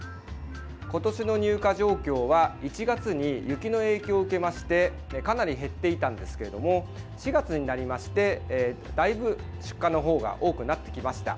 今年の入荷状況は１月に雪の影響を受けましてかなり減っていたんですけれど４月になり、だいぶ出荷の方が多くなってきました。